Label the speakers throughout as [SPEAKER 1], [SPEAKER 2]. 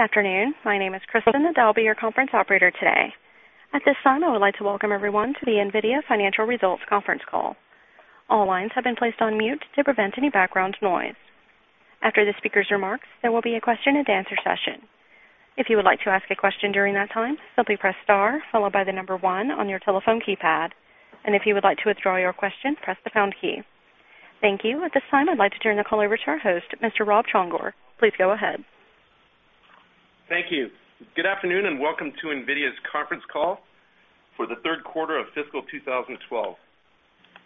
[SPEAKER 1] Good afternoon. My name is Kristin, and I'll be your conference operator today. At this time, I would like to welcome everyone to the NVIDIA Financial Results Conference Call. All lines have been placed on mute to prevent any background noise. After the speaker's remarks, there will be a question and answer session. If you would like to ask a question during that time, simply press star followed by the number one on your telephone keypad, and if you would like to withdraw your question, press the pound key. Thank you. At this time, I'd like to turn the call over to our host, Mr. Rob Csongor. Please go ahead.
[SPEAKER 2] Thank you. Good afternoon and welcome to NVIDIA's Conference Call for the Third Quarter of Fiscal 2012.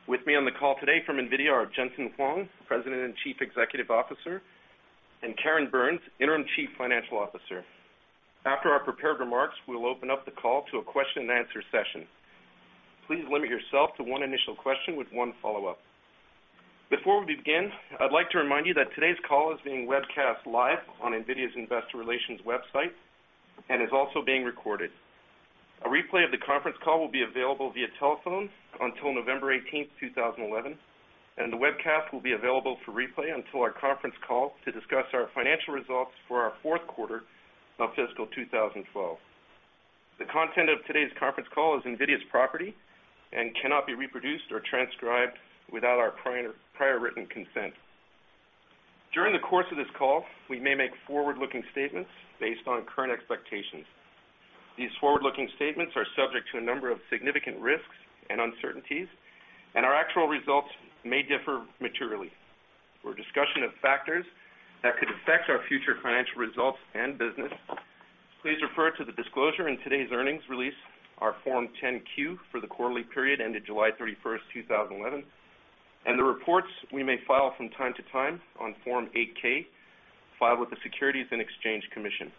[SPEAKER 2] With me on the call today from NVIDIA are Jensen Huang, President and Chief Executive Officer, and Karen Burns, Interim Chief Financial Officer. After our prepared remarks, we'll open up the call to a question and answer session. Please limit yourself to one initial question with one follow-up. Before we begin, I'd like to remind you that today's call is being webcast live on NVIDIA's Investor Relations website and is also being recorded. A replay of the conference call will be available via telephone until November 18, 2011, and the webcast will be available for replay until our conference call to discuss our financial results for our fourth quarter of fiscal 2012. The content of today's conference call is NVIDIA's property and cannot be reproduced or transcribed without our prior written consent. During the course of this call, we may make forward-looking statements based on current expectations. These forward-looking statements are subject to a number of significant risks and uncertainties, and our actual results may differ materially. For a discussion of factors that could affect our future financial results and business, please refer to the disclosure in today's earnings release, our Form 10-Q for the quarterly period ended July 31st, 2011, and the reports we may file from time to time on Form 8-K filed with the Securities and Exchange Commission.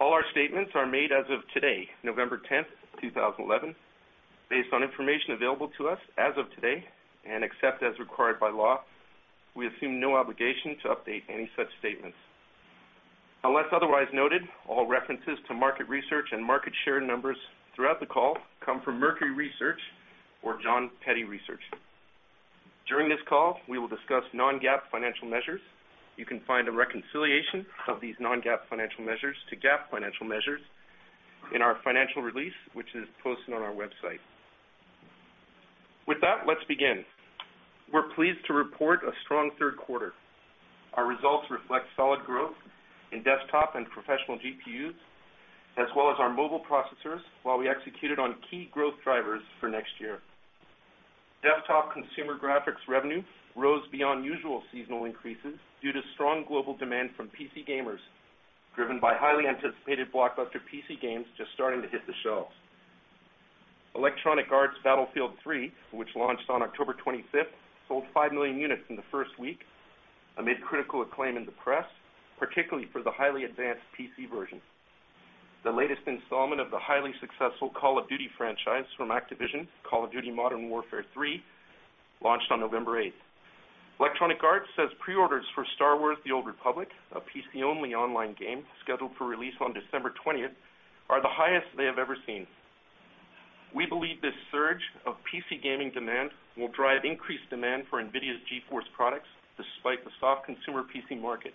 [SPEAKER 2] All our statements are made as of today, November 10, 2011, based on information available to us as of today and except as required by law. We assume no obligation to update any such statements. Unless otherwise noted, all references to market research and market share numbers throughout the call come from Mercury Research or John Petty Research. During this call, we will discuss non-GAAP financial measures. You can find a reconciliation of these non-GAAP financial measures to GAAP financial measures in our financial release, which is posted on our website. With that, let's begin. We're pleased to report a strong third quarter. Our results reflect solid growth in desktop and professional GPUs, as well as our mobile processors, while we executed on key growth drivers for next year. Desktop consumer graphics revenue rose beyond usual seasonal increases due to strong global demand from PC gamers, driven by highly anticipated blockbuster PC games just starting to hit the shelves. Electronic Arts Battlefield 3, which launched on October 25th, sold 5 million units in the first week, amid critical acclaim in the press, particularly for the highly advanced PC version. The latest installment of the highly successful Call of Duty franchise from Activision, Call of Duty Modern Warfare III, launched on November 8th. Electronic Arts says pre-orders for Star Wars: The Old Republic, a PC-only online game scheduled for release on December 20th, are the highest they have ever seen. We believe this surge of PC gaming demand will drive increased demand for NVIDIA's GeForce products despite the soft consumer PC market.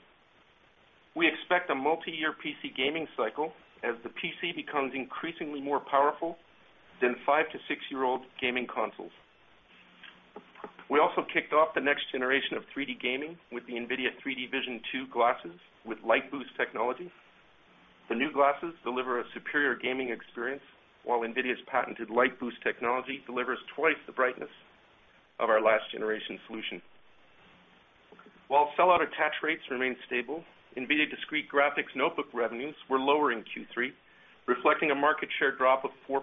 [SPEAKER 2] We expect a multi-year PC gaming cycle as the PC becomes increasingly more powerful than five to six-year-old gaming consoles. We also kicked off the next generation of 3D gaming with the NVIDIA 3D Vision 2 glasses with LightBoost technology. The new glasses deliver a superior gaming experience, while NVIDIA's patented LightBoost technology delivers twice the brightness of our last generation solution. While sell-out attach rates remain stable, NVIDIA discrete graphics notebook revenues were lower in Q3, reflecting a market share drop of 4%.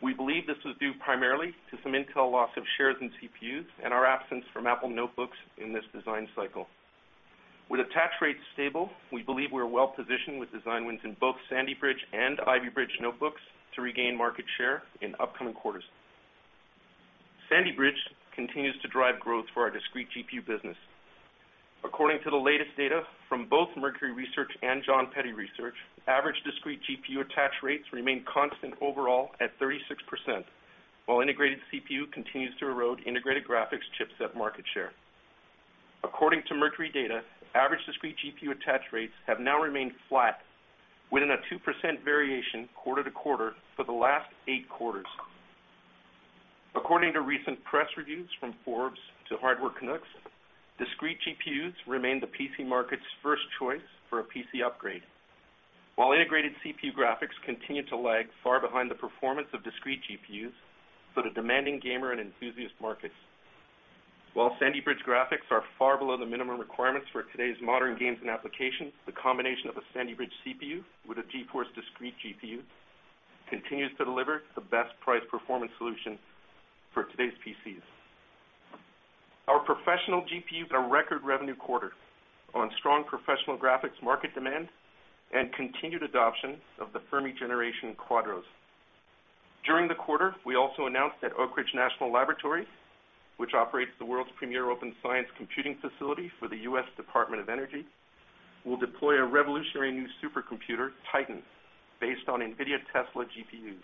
[SPEAKER 2] We believe this was due primarily to some Intel loss of shares in CPUs and our absence from Apple notebooks in this design cycle. With attach rates stable, we believe we're well positioned with design wins in both Sandy Bridge and Ivy Bridge notebooks to regain market share in upcoming quarters. Sandy Bridge continues to drive growth for our discrete GPU business. According to the latest data from both Mercury Research and Jon Peddie Research, average discrete GPU attach rates remain constant overall at 36%, while integrated CPU continues to erode integrated graphics chips at market share. According to Mercury data, average discrete GPU attach rates have now remained flat, within a 2% variation quarter-to-quarter for the last eight quarters. According to recent press reviews from Forbes to Hardware Canucks, discrete GPUs remain the PC market's first choice for a PC upgrade, while integrated CPU graphics continue to lag far behind the performance of discrete GPUs for the demanding gamer and enthusiast markets. While Sandy Bridge graphics are far below the minimum requirements for today's modern games and applications, the combination of a Sandy Bridge CPU with a GeForce discrete GPU continues to deliver the best price performance solution for today's PCs. Our professional GPU. A record revenue quarter on strong professional graphics market demand and continued adoption of the Fermi generation Quadros. During the quarter, we also announced that Oak Ridge National Laboratory, which operates the world's premier open science computing facility for the U.S. Department of Energy, will deploy a revolutionary new supercomputer, TITAN, based on NVIDIA Tesla GPUs.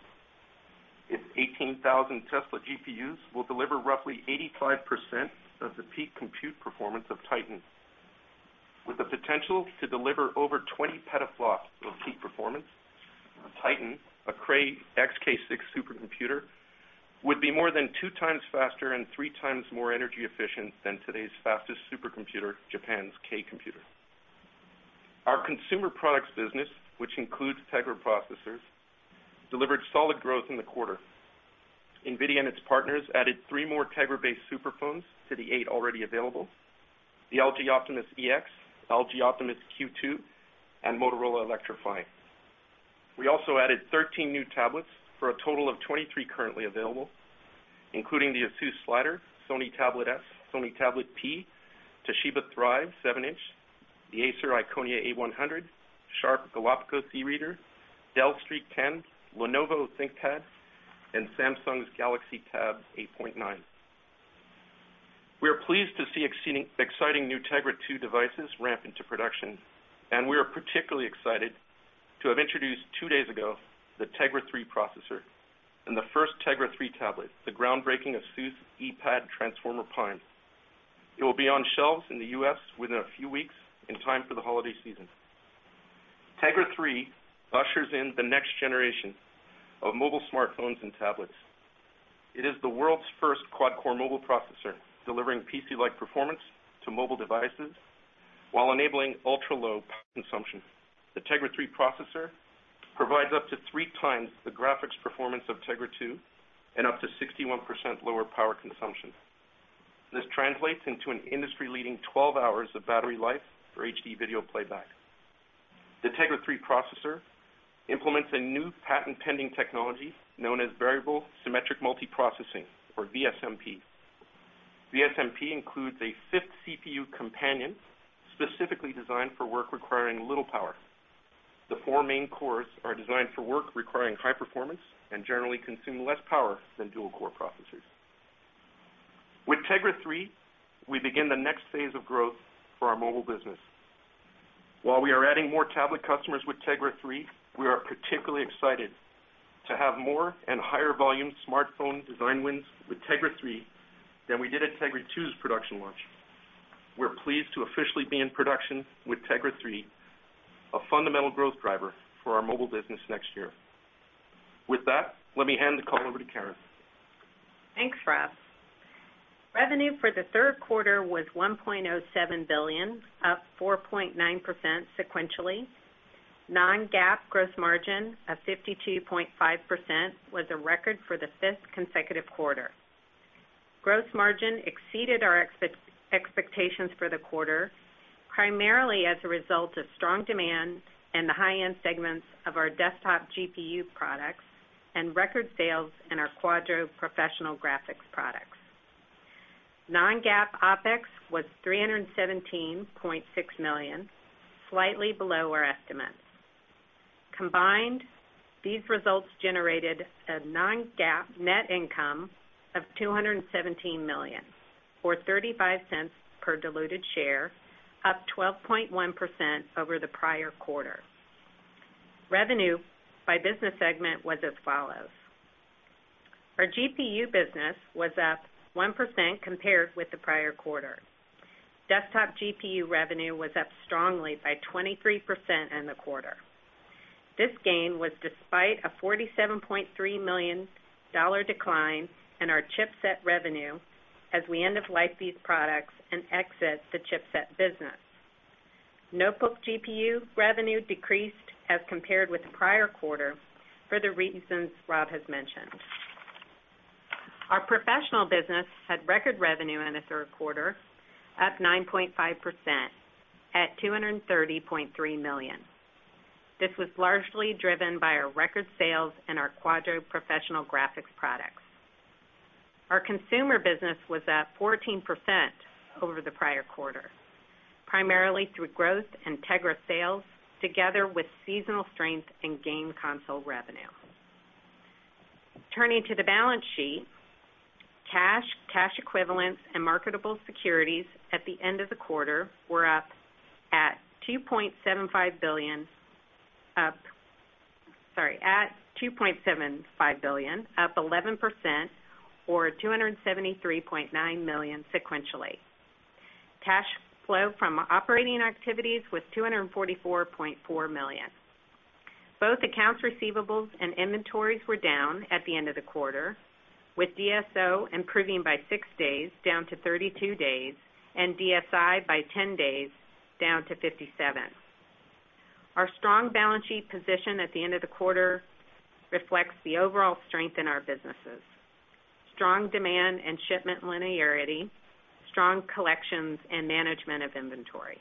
[SPEAKER 2] Its 18,000 Tesla GPUs will deliver roughly 85% of the peak compute performance of TITAN. With the potential to deliver over 20 petaflops of peak performance, TITAN, a Cray XK6 supercomputer, would be more than two times faster and three times more energy efficient than today's fastest supercomputer, Japan's K Computer. Our consumer products business, which includes Tegra processors, delivered solid growth in the quarter. NVIDIA and its partners added three more Tegra-based superphones to the eight already available: the LG Optimus EX, LG Optimus Q2, and Motorola Electrify. We also added 13 new tablets for a total of 23 currently available, including the ASUS Slider, Sony Tablet S, Sony Tablet P, Toshiba Thrive 7-inch, the Acer Iconia A100, Sharp GALAPAGOS eReader, Dell Streak 10, Lenovo ThinkPad, and Samsung's GALAXY Tab 8.9. We are pleased to see exciting new Tegra 2 devices ramp into production, and we are particularly excited to have introduced two days ago the Tegra 3 processor and the first Tegra 3 tablet, the groundbreaking ASUS Eepad Transformer Prime. It will be on shelves in the U.S. within a few weeks in time for the holiday season. Tegra 3 ushers in the next generation of mobile smartphones and tablets. It is the world's first quad-core mobile processor, delivering PC-like performance to mobile devices while enabling ultra-low power consumption. The Tegra 3 processor provides up to three times the graphics performance of Tegra 2 and up to 61% lower power consumption. This translates into an industry-leading 12 hours of battery life for HD video playback. The Tegra 3 processor implements a new patent-pending technology known as Variable Symmetric Multiprocessing, or vSMP. vSMP includes a fifth CPU companion specifically designed for work requiring little power. The four main cores are designed for work requiring high performance and generally consume less power than dual-core processors. With Tegra 3, we begin the next phase of growth for our mobile business. While we are adding more tablet customers with Tegra 3, we are particularly excited to have more and higher volume smartphone design wins with Tegra 3 than we did at Tegra 2's production launch. We're pleased to officially be in production with Tegra 3, a fundamental growth driver for our mobile business next year. With that, let me hand the call over to Karen.
[SPEAKER 3] Thanks, Rob. Revenue for the third quarter was $1.07 billion, up 4.9% sequentially. Non-GAAP gross margin of 52.5% was a record for the fifth consecutive quarter. Gross margin exceeded our expectations for the quarter, primarily as a result of strong demand in the high-end segments of our desktop GPU products and record sales in our Quadro professional graphics products. Non-GAAP OpEx was $317.6 million, slightly below our estimates. Combined, these results generated a non-GAAP net income of $217 million or $0.35 per diluted share, up 12.1% over the prior quarter. Revenue by business segment was as follows. Our GPU business was up 1% compared with the prior quarter. Desktop GPU revenue was up strongly by 23% in the quarter. This gain was despite a $47.3 million decline in our chipset revenue as we end of life these products and exit the chipset business. Notebook GPU revenue decreased as compared with the prior quarter for the reasons Rob has mentioned. Our professional business had record revenue in the third quarter, up 9.5% at $230.3 million. This was largely driven by our record sales in our Quadro professional graphics products. Our consumer business was up 14% over the prior quarter, primarily through growth in Tegra sales together with seasonal strength in game console revenue. Turning to the balance sheet, cash, cash equivalents, and marketable securities at the end of the quarter were at $2.75 billion, up 11% or $273.9 million sequentially. Cash flow from operating activities was $244.4 million. Both accounts receivables and inventories were down at the end of the quarter, with DSO improving by six days down to 32 days and DSI by 10 days down to 57. Our strong balance sheet position at the end of the quarter reflects the overall strength in our businesses: strong demand and shipment linearity, strong collections, and management of inventory.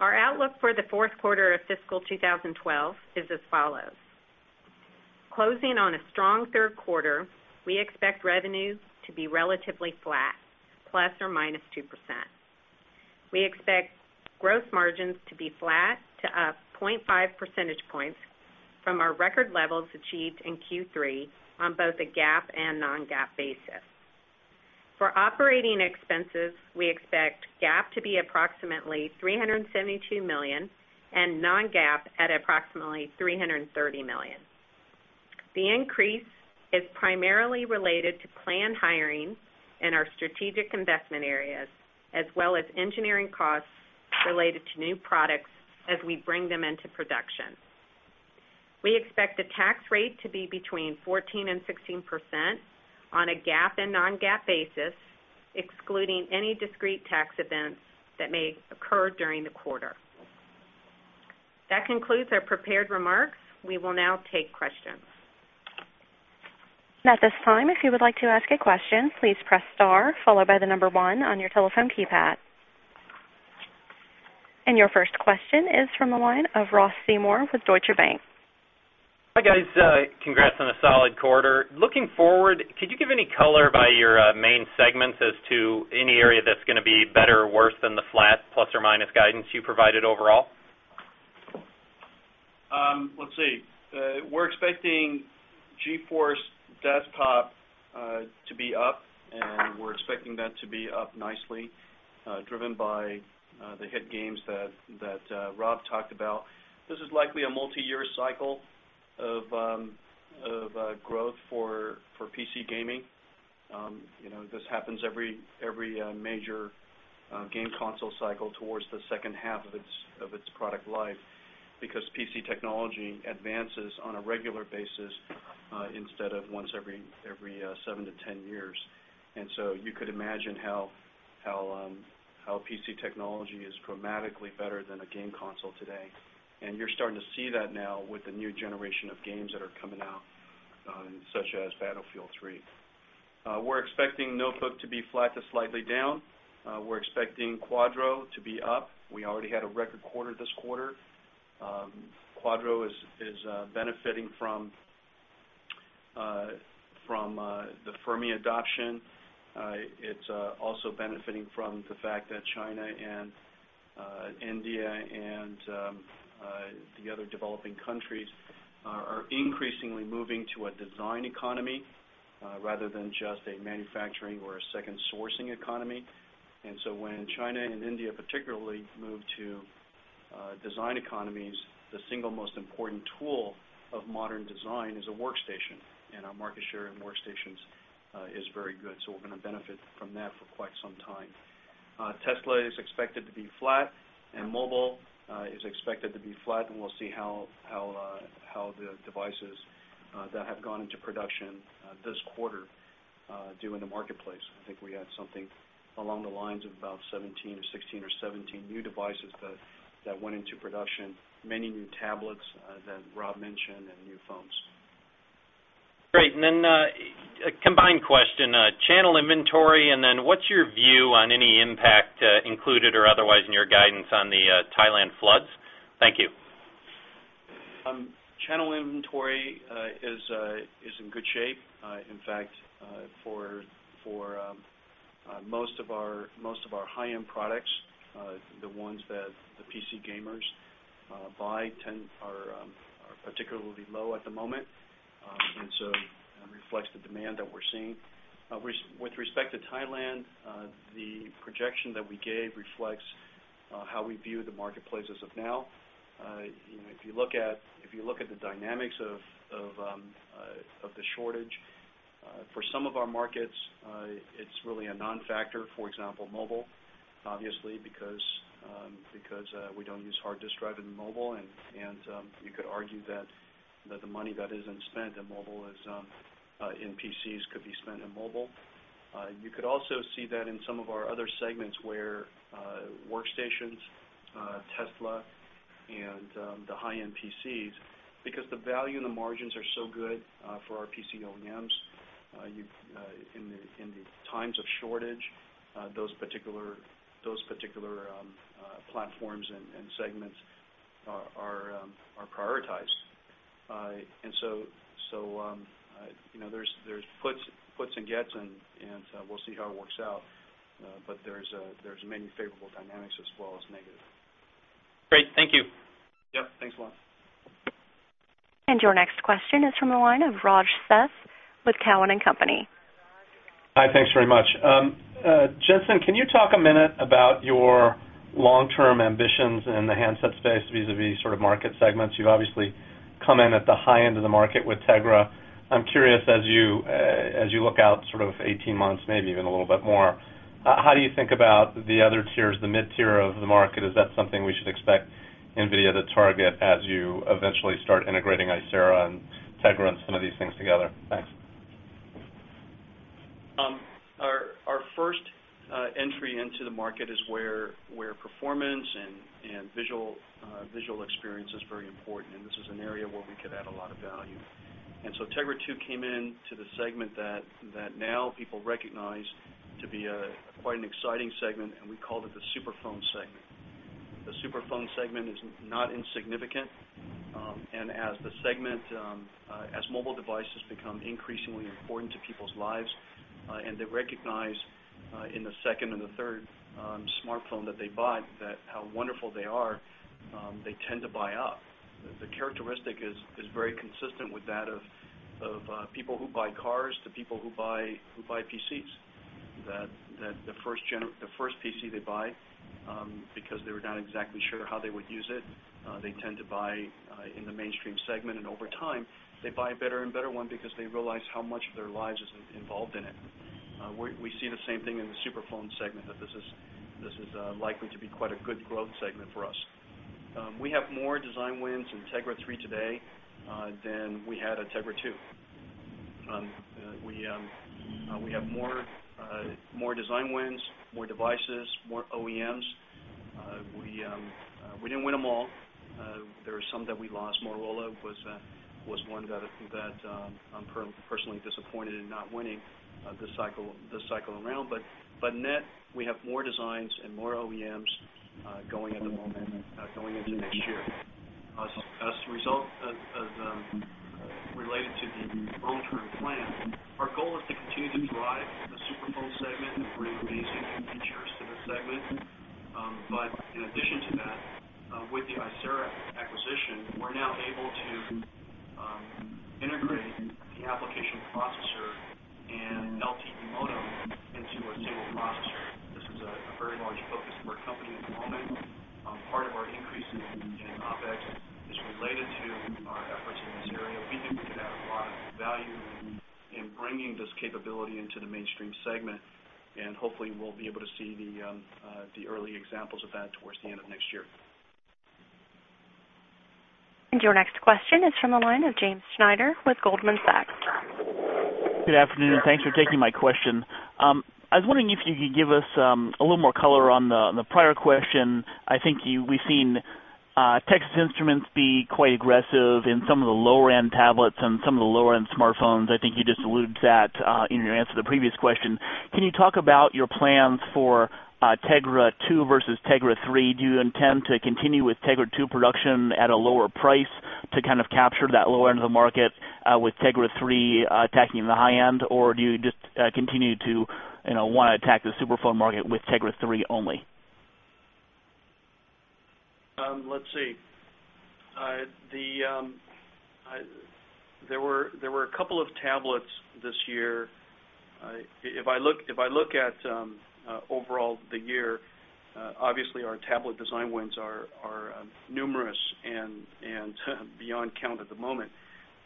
[SPEAKER 3] Our outlook for the fourth quarter of fiscal 2012 is as follows. Closing on a strong third quarter, we expect revenue to be relatively flat, ±2%. We expect gross margins to be flat to up 0.5 percentage points from our record levels achieved in Q3 on both a GAAP and non-GAAP basis. For operating expenses, we expect GAAP to be approximately $372 million and non-GAAP at approximately $330 million. The increase is primarily related to planned hiring in our strategic investment areas, as well as engineering costs related to new products as we bring them into production. We expect the tax rate to be between 14% and 16% on a GAAP and non-GAAP basis, excluding any discrete tax event that may occur during the quarter. That concludes our prepared remarks. We will now take questions.
[SPEAKER 1] At this time, if you would like to ask a question, please press star followed by the number one on your telephone keypad. Your first question is from the line of Ross Seymore with Deutsche Bank.
[SPEAKER 4] Hi guys, congrats on a solid quarter. Looking forward, could you give any color by your main segments as to any area that's going to be better or worse than the flat ± guidance you provided overall?
[SPEAKER 5] Let's see. We're expecting GeForce desktop to be up, and we're expecting that to be up nicely, driven by the hit games that Rob talked about. This is likely a multi-year cycle of growth for PC gaming. This happens every major game console cycle towards the second half of its product life because PC technology advances on a regular basis instead of once every seven to 10 years. You could imagine how PC technology is dramatically better than a game console today. You're starting to see that now with the new generation of games that are coming out, such as Battlefield 3. We're expecting notebook to be flat to slightly down. We're expecting Quadro to be up. We already had a record quarter this quarter. Quadro is benefiting from the Fermi adoption. It's also benefiting from the fact that China and India and the other developing countries are increasingly moving to a design economy rather than just a manufacturing or a second sourcing economy. When China and India particularly move to design economies, the single most important tool of modern design is a workstation, and our market share in workstations is very good. We're going to benefit from that for quite some time. Tesla is expected to be flat, and Mobile is expected to be flat, and we'll see how the devices that have gone into production this quarter do in the marketplace. I think we had something along the lines of about 17 or 16 or 17 new devices that went into production, many new tablets that Rob mentioned, and new phones.
[SPEAKER 4] Great. A combined question: channel inventory, and what's your view on any impact included or otherwise in your guidance on the Thailand floods? Thank you.
[SPEAKER 5] Channel inventory is in good shape. In fact, for most of our high-end products, the ones that the PC gamers buy are particularly low at the moment, and that reflects the demand that we're seeing. With respect to Thailand, the projection that we gave reflects how we view the marketplace as of now. If you look at the dynamics of the shortage, for some of our markets, it's really a non-factor. For example, Mobile, obviously, because we don't use hard disk drives in Mobile, and you could argue that the money that isn't spent in Mobile is in PCs could be spent in Mobile. You could also see that in some of our other segments where workstations, Tesla, and the high-end PCs, because the value and the margins are so good for our PC OEMs, in times of shortage, those particular platforms and segments are prioritized. There are puts and gets, and we'll see how it works out, but there are many favorable dynamics as well as negative.
[SPEAKER 4] Great, thank you.
[SPEAKER 5] Yep, thanks a lot.
[SPEAKER 1] Your next question is from the line of Raj Seth with Cowen & Co.
[SPEAKER 6] Hi, thanks very much. Jensen, can you talk a minute about your long-term ambitions in the handset space vis-à-vis sort of market segments? You've obviously come in at the high end of the market with Tegra. I'm curious, as you look out sort of 18 months, maybe even a little bit more, how do you think about the other tiers, the mid-tier of the market? Is that something we should expect NVIDIA to target as you eventually start integrating Icera and Tegra and some of these things together? Thanks.
[SPEAKER 5] Our first entry into the market is where performance and visual experience is very important, and this is an area where we could add a lot of value. Tegra 2 came into the segment that now people recognize to be quite an exciting segment, and we called it the superphone segment. The superphone segment is not insignificant, and as mobile devices become increasingly important to people's lives and they recognize in the second and the third smartphone that they buy how wonderful they are, they tend to buy up. The characteristic is very consistent with that of people who buy cars to people who buy PCs, that the first PC they buy because they were not exactly sure how they would use it, they tend to buy in the mainstream segment, and over time they buy a better and better one because they realize how much of their lives is involved in it. We see the same thing in the superphone segment, that this is likely to be quite a good growth segment for us. We have more design wins in Tegra 3 today than we had in Tegra 2. We have more design wins, more devices, more OEMs. We didn't win them all. There are some that we lost. Motorola was one that I'm personally disappointed in not winning this cycle around, but net we have more designs and more OEMs going at the moment, going into the next year. As a result, related to the bone through plan, our goal is to continue to drive the superphone segment and bring amazing features to the segment. In addition to that, with the Icera acquisition, we're now able to integrate the application processor and LTE modem into a single processor. This was a very large focus of our company at the moment. Part of our increase in OpEx is related to our efforts in this area. We think we could add a lot of value in bringing this capability into the mainstream segment, and hopefully we'll be able to see the early examples of that towards the end of next year.
[SPEAKER 1] Your next question is from the line of James Schneider with Goldman Sachs.
[SPEAKER 7] Good afternoon, and thanks for taking my question. I was wondering if you could give us a little more color on the prior question. I think we've seen Texas Instruments be quite aggressive in some of the lower-end tablets and some of the lower-end smartphones. I think you just alluded to that in your answer to the previous question. Can you talk about your plans for Tegra 2 versus Tegra 3? Do you intend to continue with Tegra 2 production at a lower price to kind of capture that lower end of the market with Tegra 3 attacking the high-end, or do you just continue to want to attack the superphone market with Tegra 3 only?
[SPEAKER 5] Let's see. There were a couple of tablets this year. If I look at overall the year, obviously our tablet design wins are numerous and beyond count at the moment.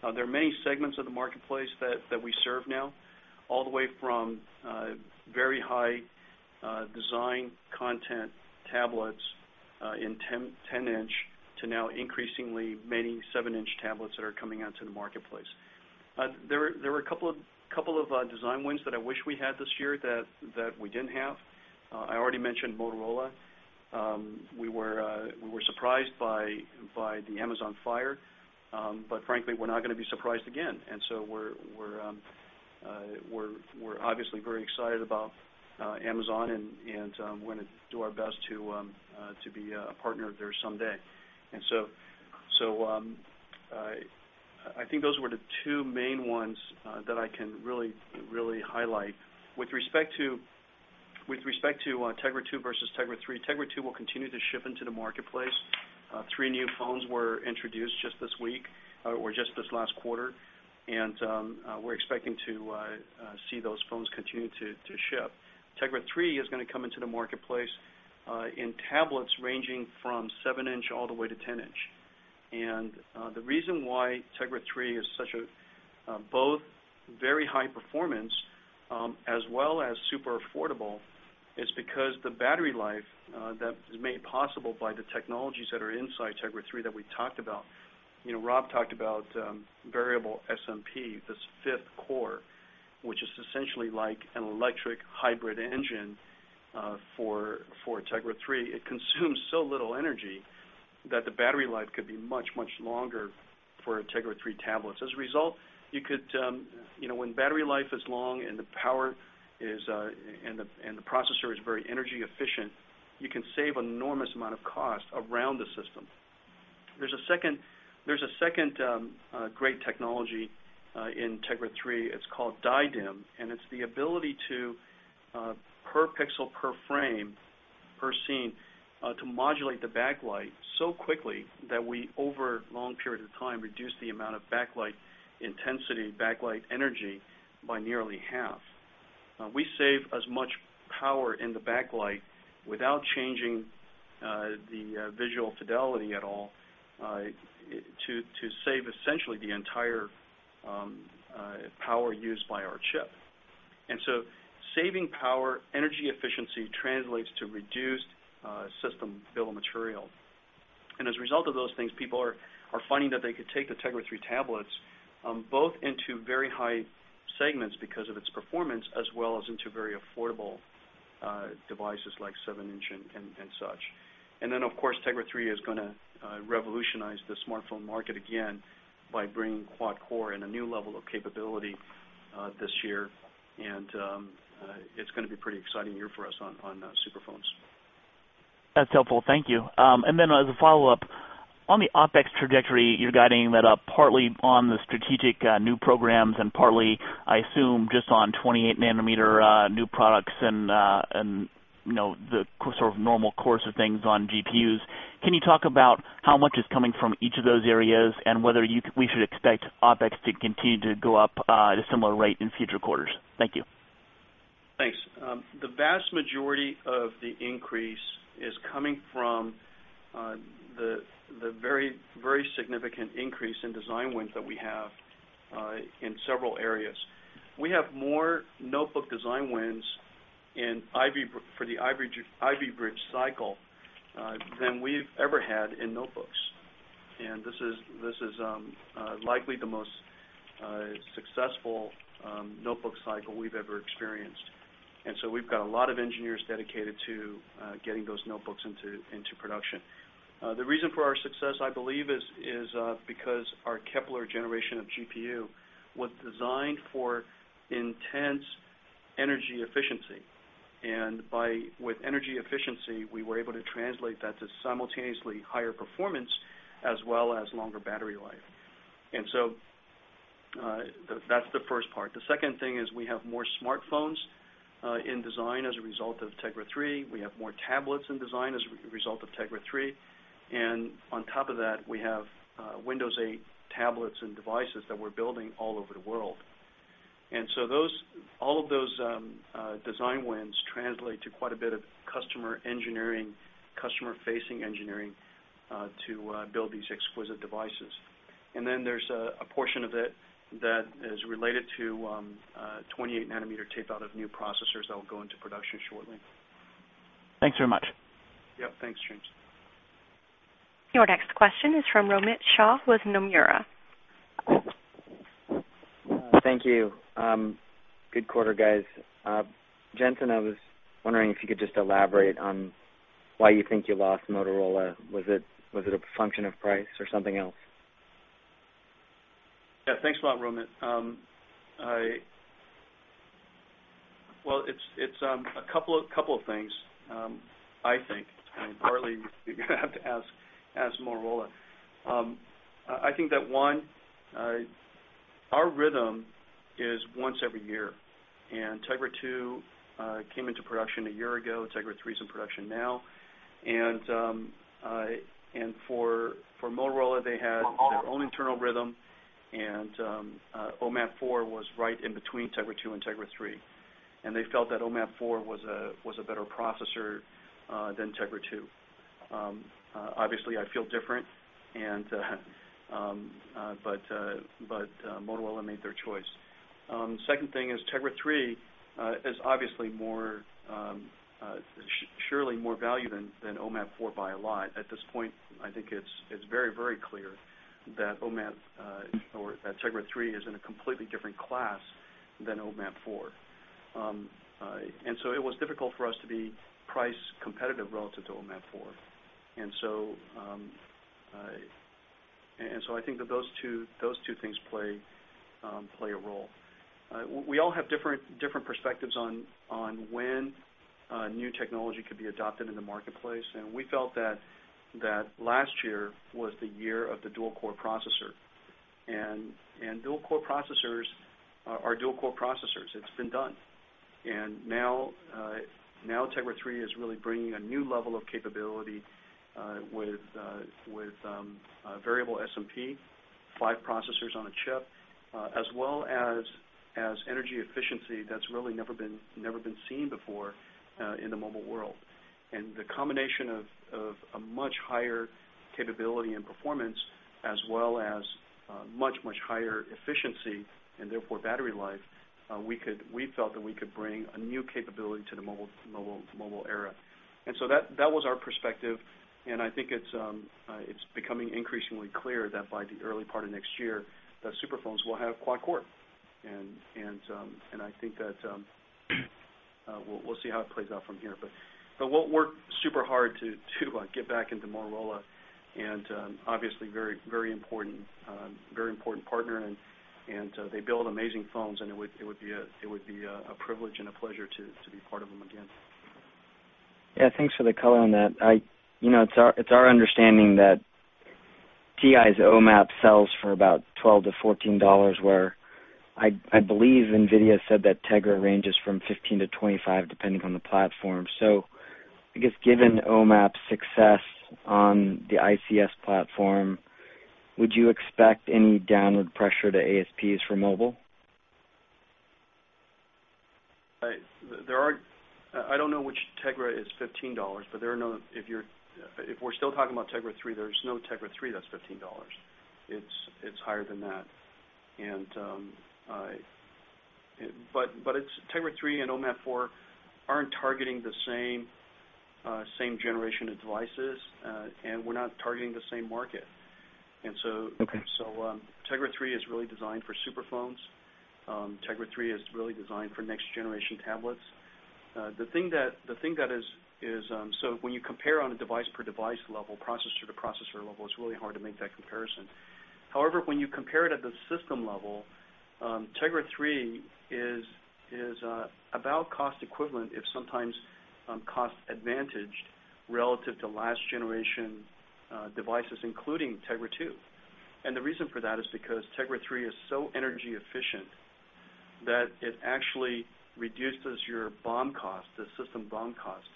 [SPEAKER 5] There are many segments of the marketplace that we serve now, all the way from very high design content tablets in 10-inch to now increasingly many 7-inch tablets that are coming out to the marketplace. There were a couple of design wins that I wish we had this year that we didn't have. I already mentioned Motorola. We were surprised by the Amazon Fire, but frankly, we're not going to be surprised again. We're obviously very excited about Amazon, and we're going to do our best to be a partner of theirs someday. I think those were the two main ones that I can really, really highlight. With respect to Tegra 2 versus Tegra 3, Tegra 2 will continue to ship into the marketplace. Three new phones were introduced just this week or just this last quarter, and we're expecting to see those phones continue to ship. Tegra 3 is going to come into the marketplace in tablets ranging from 7-inch all the way to 10-inch. The reason why Tegra 3 is such a both very high performance as well as super affordable is because the battery life that is made possible by the technologies that are inside Tegra 3 that we talked about. You know, Rob talked about variable SMP, this fifth core, which is essentially like an electric hybrid engine for Tegra 3. It consumes so little energy that the battery life could be much, much longer for Tegra 3 tablets. As a result, you could, you know, when battery life is long and the power is and the processor is very energy efficient, you can save an enormous amount of cost around the system. There's a second great technology in Tegra 3. It's called DI DIM, and it's the ability to, per pixel, per frame, per scene, to modulate the backlight so quickly that we, over a long period of time, reduce the amount of backlight intensity, backlight energy by nearly half. We save as much power in the backlight without changing the visual fidelity at all to save essentially the entire power used by our chip. Saving power, energy efficiency translates to reduced system bill of material. As a result of those things, people are finding that they could take the Tegra 3 tablets both into very high segments because of its performance, as well as into very affordable devices like 7-inch and such. Of course, Tegra 3 is going to revolutionize the smartphone market again by bringing quad core and a new level of capability this year, and it's going to be a pretty exciting year for us on superphones.
[SPEAKER 7] That's helpful, thank you. As a follow-up, on the OpEx trajectory, you're guiding that up partly on the strategic new programs and partly, I assume, just on 28-nanometer new products and the sort of normal course of things on GPUs. Can you talk about how much is coming from each of those areas and whether we should expect OpEx to continue to go up at a similar rate in future quarters? Thank you.
[SPEAKER 5] Thanks. The vast majority of the increase is coming from the very, very significant increase in design wins that we have in several areas. We have more notebook design wins for the Ivy Bridge cycle than we've ever had in notebooks, and this is likely the most successful notebook cycle we've ever experienced. We've got a lot of engineers dedicated to getting those notebooks into production. The reason for our success, I believe, is because our Kepler generation of GPU was designed for intense energy efficiency, and with energy efficiency, we were able to translate that to simultaneously higher performance as well as longer battery life. That's the first part. The second thing is we have more smartphones in design as a result of Tegra 3. We have more tablets in design as a result of Tegra 3, and on top of that, we have Windows 8 tablets and devices that we're building all over the world. All of those design wins translate to quite a bit of customer engineering, customer-facing engineering to build these exquisite devices. There's a portion of it that is related to 28-nanometer tape-out of new processors that will go into production shortly.
[SPEAKER 7] Thanks very much.
[SPEAKER 5] Yep, thanks, James.
[SPEAKER 1] Your next question is from Romit Shah with Nomura.
[SPEAKER 8] Thank you. Good quarter, guys. Jensen, I was wondering if you could just elaborate on why you think you lost Motorola. Was it a function of price or something else?
[SPEAKER 5] Yeah, thanks a lot, Romit. It's a couple of things, I think. I mean, partly you're going to have to ask Motorola. I think that, one, our rhythm is once every year, and Tegra 2 came into production a year ago. Tegra 3 is in production now. For Motorola, they had their own internal rhythm, and OMAP 4 was right in between Tegra 2 and Tegra 3, and they felt that OMAP 4 was a better processor than Tegra 2. Obviously, I feel different, but Motorola made their choice. The second thing is Tegra 3 is obviously surely more valuable than OMAP 4 by a lot. At this point, I think it's very, very clear that Tegra 3 is in a completely different class than OMAP 4, and it was difficult for us to be price competitive relative to OMAP 4. I think that those two things play a role. We all have different perspectives on when new technology could be adopted in the marketplace, and we felt that last year was the year of the dual-core processor. Dual-core processors are dual-core processors. It's been done. Tegra 3 is really bringing a new level of capability with variable SMP, five processors on a chip, as well as energy efficiency that's really never been seen before in the mobile world. The combination of a much higher capability and performance, as well as much, much higher efficiency and therefore battery life, we felt that we could bring a new capability to the mobile era. That was our perspective, and I think it's becoming increasingly clear that by the early part of next year, the superphones will have quad core. I think that we'll see how it plays out from here. We'll work super hard to get back into Motorola, and obviously a very important partner, and they build amazing phones, and it would be a privilege and a pleasure to be part of them again.
[SPEAKER 8] Yeah, thanks for the color on that. You know, it's our understanding that TI's OMAP sells for about $12-$14, where I believe NVIDIA said that Tegra ranges from $15-$25, depending on the platform. I guess given OMAP's success on the ICS platform, would you expect any downward pressure to ASPs for mobile?
[SPEAKER 5] I don't know which Tegra is $15, but if we're still talking about Tegra 3, there's no Tegra 3 that's $15. It's higher than that. Tegra 3 and OMAP 4 aren't targeting the same generation of devices, and we're not targeting the same market. Tegra 3 is really designed for superphones and next generation tablets. The thing that is, when you compare on a device-per-device level, processor-to-processor level, it's really hard to make that comparison. However, when you compare it at the system level, Tegra 3 is about cost equivalent, if sometimes cost advantaged, relative to last generation devices, including Tegra 2. The reason for that is because Tegra 3 is so energy efficient that it actually reduces your BOM cost, the system BOM cost,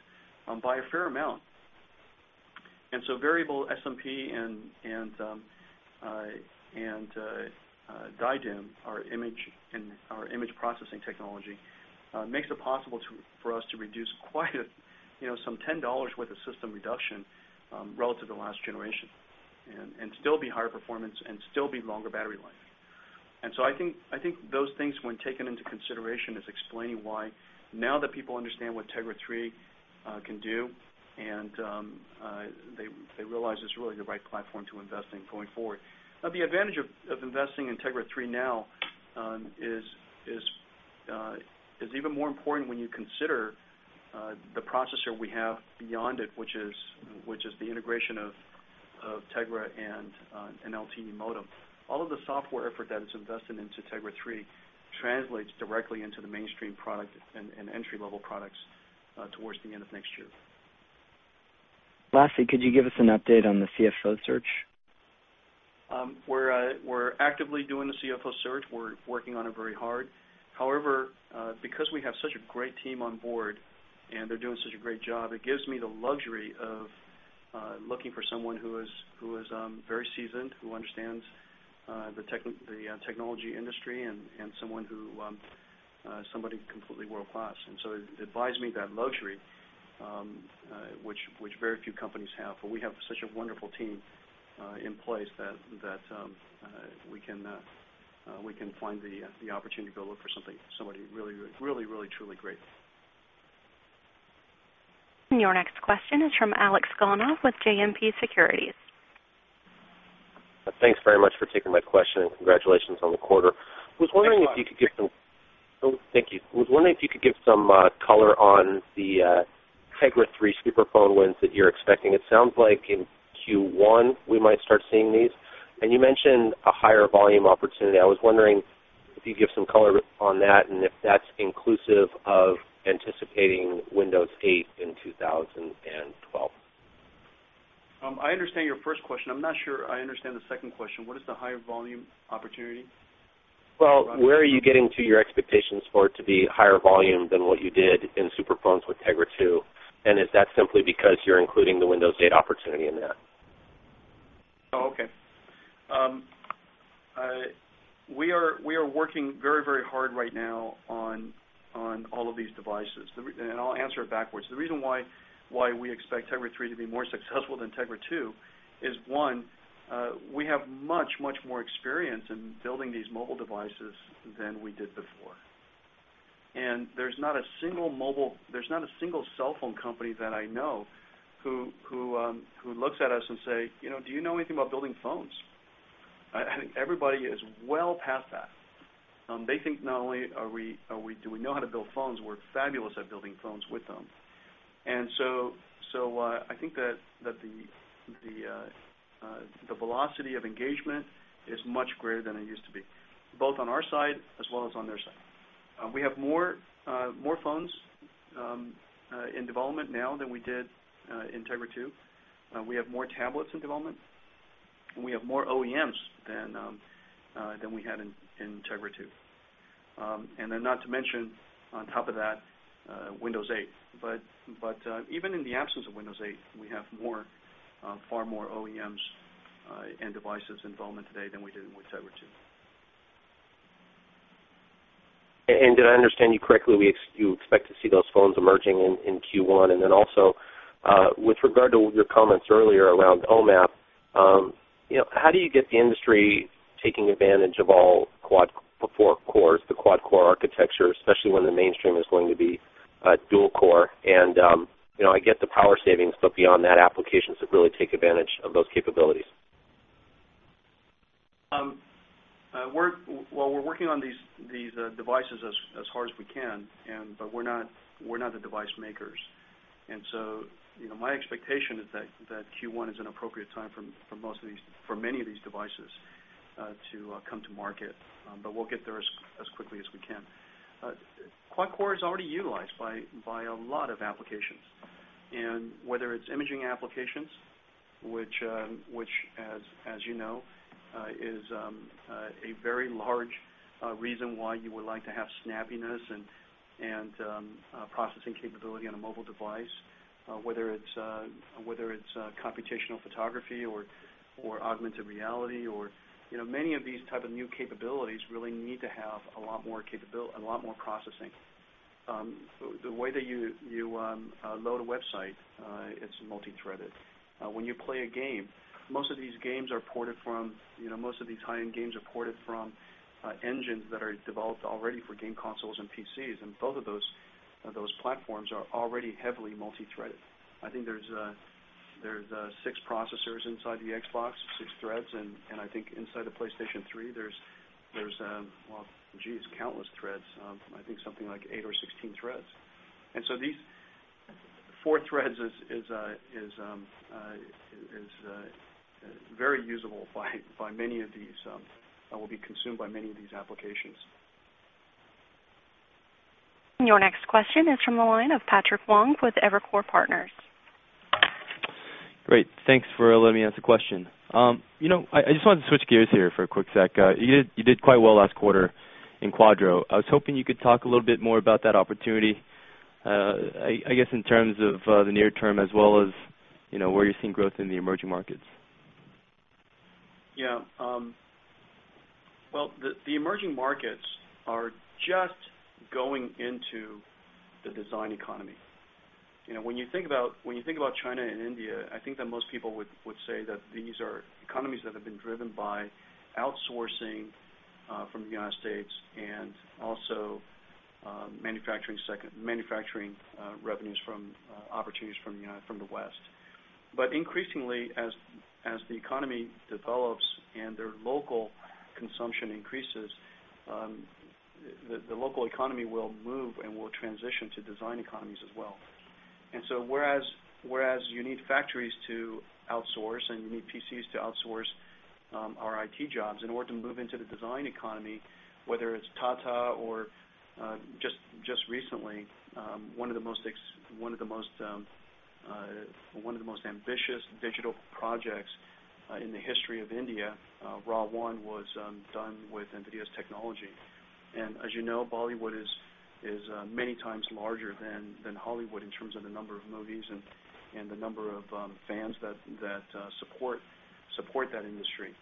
[SPEAKER 5] by a fair amount. Variable SMP and DI DIM, our image processing technology, makes it possible for us to reduce quite some $10 worth of system reduction relative to last generation and still be higher performance and still be longer battery life. I think those things, when taken into consideration, is explaining why now that people understand what Tegra 3 can do and they realize it's really the right platform to invest in going forward. The advantage of investing in Tegra 3 now is even more important when you consider the processor we have beyond it, which is the integration of Tegra and LTE modem. All of the software effort that is invested into Tegra 3 translates directly into the mainstream product and entry-level products towards the end of next year.
[SPEAKER 8] Lastly, could you give us an update on the CFO search?
[SPEAKER 5] We're actively doing the CFO search. We're working on it very hard. However, because we have such a great team on board and they're doing such a great job, it gives me the luxury of looking for someone who is very seasoned, who understands the technology industry, and somebody completely world-class. It buys me that luxury, which very few companies have. We have such a wonderful team in place that we can find the opportunity to go look for somebody really, really, really truly great.
[SPEAKER 1] Your next question is from Alex Gauna with JMP Securities.
[SPEAKER 9] Thanks very much for taking my question, and congratulations on the quarter. I was wondering if you could give some, thank you. I was wondering if you could give some color on the Tegra 3 superphone wins that you're expecting. It sounds like in Q1 we might start seeing these, and you mentioned a higher volume opportunity. I was wondering if you could give some color on that and if that's inclusive of anticipating Windows 8 in 2012.
[SPEAKER 5] I understand your first question. I'm not sure I understand the second question. What is the higher volume opportunity?
[SPEAKER 9] Where are you getting to your expectations for it to be higher volume than what you did in superphones with Tegra 2, and is that simply because you're including the Windows 8 opportunity in that?
[SPEAKER 5] Okay. We are working very, very hard right now on all of these devices, and I'll answer it backwards. The reason why we expect Tegra 3 to be more successful than Tegra 2 is, one, we have much, much more experience in building these mobile devices than we did before. There's not a single mobile, there's not a single cell phone company that I know who looks at us and says, "You know, do you know anything about building phones?" I think everybody is well past that. They think not only do we know how to build phones, we're fabulous at building phones with them. I think that the velocity of engagement is much greater than it used to be, both on our side as well as on their side. We have more phones in development now than we did in Tegra 2. We have more tablets in development. We have more OEMs than we had in Tegra 2. Not to mention, on top of that, Windows 8. Even in the absence of Windows 8, we have far more OEMs and devices in development today than we did with Tegra 2.
[SPEAKER 9] Did I understand you correctly? You expect to see those phones emerging in Q1. Also, with regard to your comments earlier around OMAP, how do you get the industry taking advantage of all four cores, the quad-core architecture, especially when the mainstream is going to be dual core? I get the power savings, but beyond that, applications that really take advantage of those capabilities.
[SPEAKER 5] We're working on these devices as hard as we can, but we're not the device makers. My expectation is that Q1 is an appropriate time for many of these devices to come to market, but we'll get there as quickly as we can. Quad core is already utilized by a lot of applications, and whether it's imaging applications, which, as you know, is a very large reason why you would like to have snappiness and processing capability on a mobile device, whether it's computational photography or augmented reality, or many of these types of new capabilities really need to have a lot more processing. The way that you load a website, it's multi-threaded. When you play a game, most of these games are ported from, most of these high-end games are ported from engines that are developed already for game consoles and PCs, and both of those platforms are already heavily multi-threaded. I think there's six processors inside the Xbox, six threads, and I think inside the PlayStation 3, there's, well, jeez, countless threads. I think something like eight or 16 threads. These four threads are very usable by many of these, will be consumed by many of these applications.
[SPEAKER 1] Your next question is from the line of Patrick Wang with Evercore Partners.
[SPEAKER 10] Great, thanks for letting me ask the question. I just wanted to switch gears here for a quick sec. You did quite well last quarter in Quadro. I was hoping you could talk a little bit more about that opportunity, I guess in terms of the near-term as well as where you're seeing growth in the emerging markets.
[SPEAKER 5] The emerging markets are just going into the design economy. When you think about China and India, I think that most people would say that these are economies that have been driven by outsourcing from the United States and also manufacturing revenues from opportunities from the West. Increasingly, as the economy develops and their local consumption increases, the local economy will move and will transition to design economies as well. Whereas you need factories to outsource and you need PCs to outsource our IT jobs, in order to move into the design economy, whether it's Tata or just recently, one of the most ambitious digital projects in the history of India, RAW 1, was done with NVIDIA's technology. As you know, Bollywood is many times larger than Hollywood in terms of the number of movies and the number of fans that support that industry.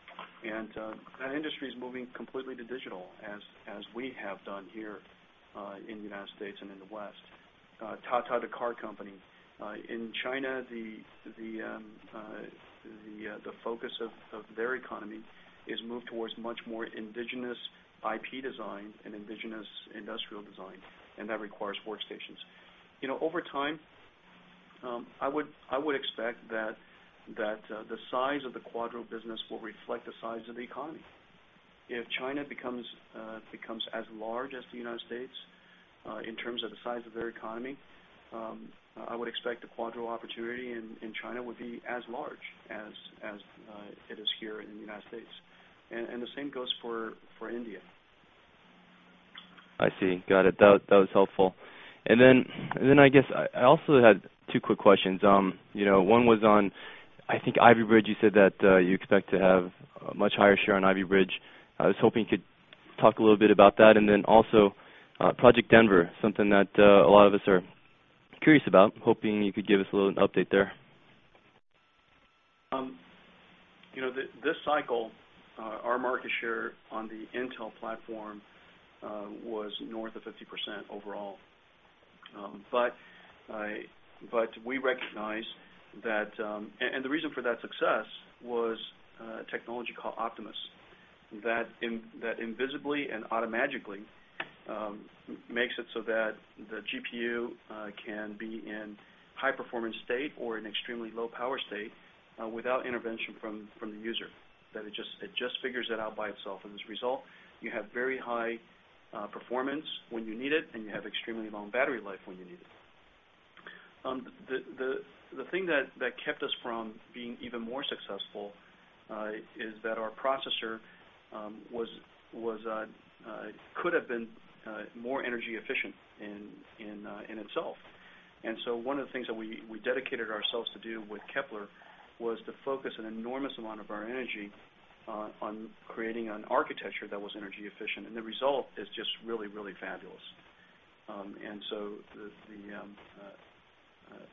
[SPEAKER 5] That industry is moving completely to digital, as we have done here in the United States and in the West. Tata, the car company in China, the focus of their economy is moved towards much more indigenous IP design and indigenous industrial design, and that requires workstations. Over time, I would expect that the size of the Quadro business will reflect the size of the economy. If China becomes as large as the United States in terms of the size of their economy, I would expect the Quadro opportunity in China would be as large as it is here in the United States. The same goes for India.
[SPEAKER 10] I see, got it. That was helpful. I also had two quick questions. One was on, I think Ivy Bridge, you said that you expect to have a much higher share on Ivy Bridge. I was hoping you could talk a little bit about that. Also, Project Denver, something that a lot of us are curious about. I'm hoping you could give us a little update there.
[SPEAKER 5] You know, this cycle, our market share on the Intel platform was north of 50% overall. We recognize that the reason for that success was a technology called Optimus, that invisibly and automagically makes it so that the GPU can be in high-performance state or an extremely low-power state without intervention from the user, that it just figures it out by itself. As a result, you have very high performance when you need it, and you have extremely long battery life when you need it. The thing that kept us from being even more successful is that our processor could have been more energy efficient in itself. One of the things that we dedicated ourselves to do with Kepler was to focus an enormous amount of our energy on creating an architecture that was energy efficient. The result is just really, really fabulous.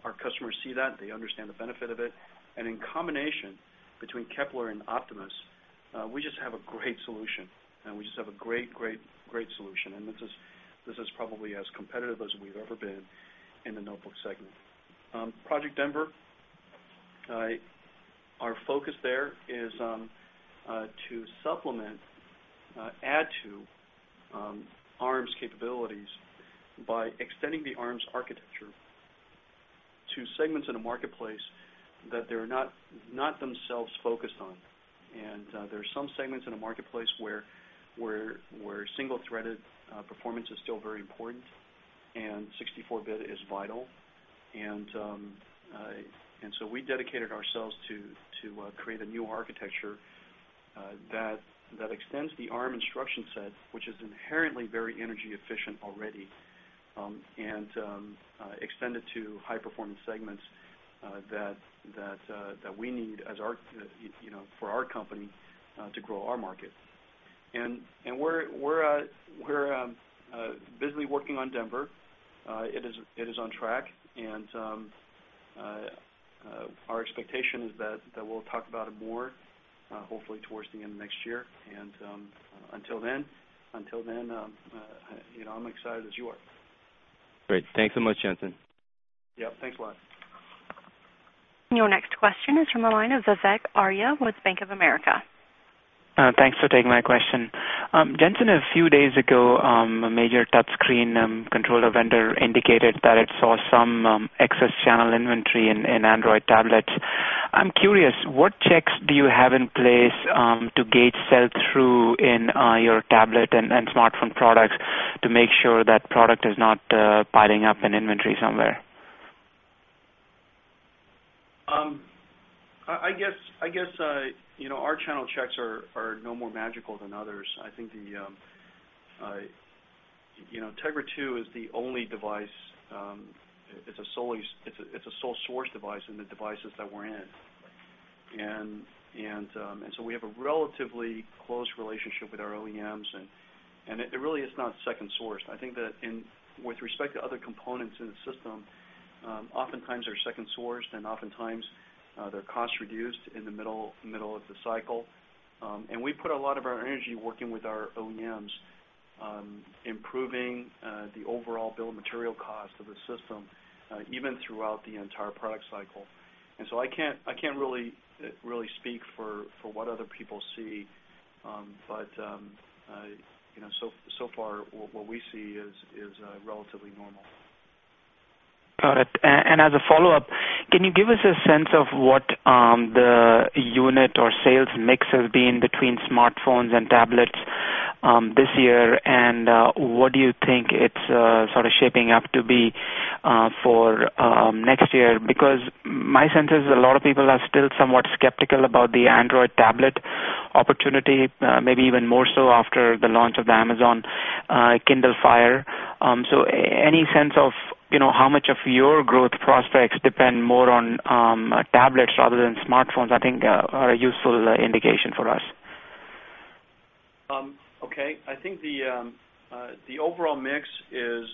[SPEAKER 5] Our customers see that, they understand the benefit of it. In combination between Kepler and Optimus, we just have a great solution. We just have a great, great, great solution. This is probably as competitive as we've ever been in the notebook segment. Project Denver, our focus there is to supplement, add to Arm's capabilities by extending the Arm architecture to segments in the marketplace that they're not themselves focused on. There are some segments in the marketplace where single-threaded performance is still very important, and 64-bit is vital. We dedicated ourselves to create a new architecture that extends the Arm instruction set, which is inherently very energy efficient already, and extend it to high-performance segments that we need for our company to grow our market. We're busy working on Denver. It is on track, and our expectation is that we'll talk about it more, hopefully towards the end of next year. Until then, I'm excited as you are.
[SPEAKER 10] Great. Thanks so much, Jensen.
[SPEAKER 5] Yep, thanks a lot.
[SPEAKER 1] Your next question is from the line of Vivek Arya with Bank of America.
[SPEAKER 11] Thanks for taking my question. Jensen, a few days ago, a major touchscreen controller vendor indicated that it saw some excess channel inventory in Android tablets. I'm curious, what checks do you have in place to gauge sell-through in your tablet and smartphone products to make sure that product is not piling up in inventory somewhere?
[SPEAKER 5] I guess our channel checks are no more magical than others. I think Tegra 2 is the only device. It's a sole source device in the devices that we're in, and so we have a relatively close relationship with our OEMs, and it really is not second sourced. I think that with respect to other components in the system, oftentimes they're second sourced, and oftentimes they're cost reduced in the middle of the cycle. We put a lot of our energy working with our OEMs, improving the overall bill of material cost of the system, even throughout the entire product cycle. I can't really speak for what other people see, but so far what we see is relatively normal.
[SPEAKER 11] Got it. As a follow-up, can you give us a sense of what the unit or sales mix has been between smartphones and tablets this year, and what do you think it's sort of shaping up to be for next year? My sense is a lot of people are still somewhat skeptical about the Android tablet opportunity, maybe even more so after the launch of the Amazon Kindle Fire. Any sense of how much of your growth prospects depend more on tablets rather than smartphones, I think are a useful indication for us.
[SPEAKER 5] Okay. I think the overall mix is